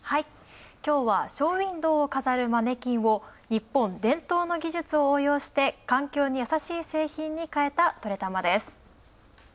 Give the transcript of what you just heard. きょうはショーウインドーを飾るマネキンを日本伝統の技術を応用して環境に優しい製品に変えた、「トレたま」です。